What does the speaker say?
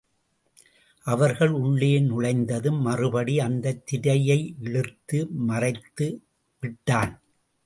அவர்கள் உள்ளே நுழைந்ததும் மறுபடி அந்தத் திரையையிழுத்து மறைத்து விட்டான்.